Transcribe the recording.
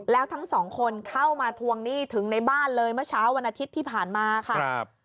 แล้วทั้งสองคนเข้ามาทวงหนี้ถึงในบ้านเลยเมื่อเช้าวันอาทิตย์ที่ผ่านมาค่ะ